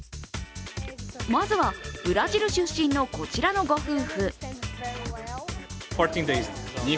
まずは、ブラジル出身のこちらのご夫婦。